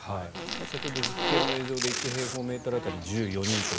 先ほど、実験の映像で１平方メートル当たり１４人と。